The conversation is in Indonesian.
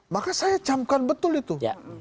maka saya camkan betul itu